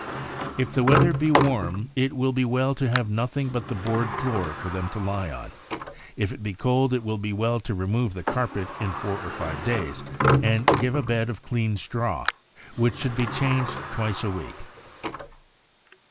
If the weather be warm, it will be well to have nothing but the board floor for them to lie on. If it be cold, it will be well to remove the carpet in four or five days and give a bed of clean straw, which should be changed twice a week.